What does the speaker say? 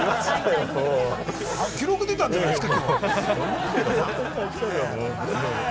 記録出たんじゃないですか？